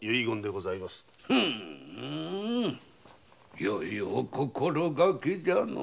よいお心がけじゃのう。